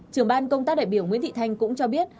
trưởng ban công tác đại biểu nguyễn thị thanh cũng cho biết